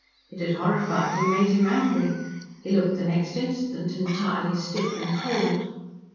It had horrified and made him angry. He looked the next instant entirely stiff and cold.